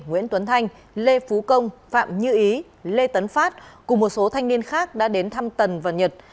nguyễn tuấn thanh lê phú công phạm như ý lê tấn phát cùng một số thanh niên khác đã đến thăm tần và nhật